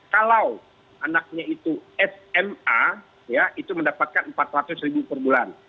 kalau anaknya itu sma ya itu mendapatkan rp empat ratus ribu per bulan